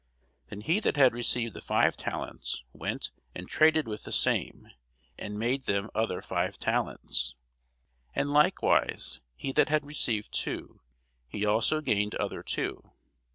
Then he that had received the five talents went and traded with the same, and made them other five talents. And likewise he that had received two, he also gained other two.